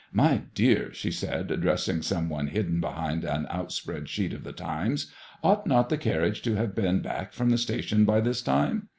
My dear/' she said, address ing some one hidden behind an outspread sheet of The TimeSf ought not the carriage to have been back from the station by this time